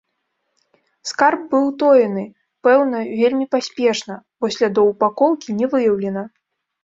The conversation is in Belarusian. Скарб быў утоены, пэўна, вельмі паспешна, бо слядоў упакоўкі не выяўлена.